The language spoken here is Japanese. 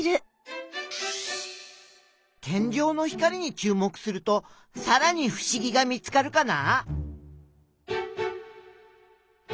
天井の光にちゅう目するとさらにふしぎが見つかるかな？